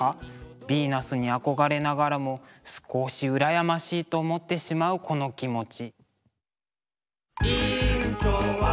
ヴィーナスに憧れながらも少し羨ましいと思ってしまうこの気持ち。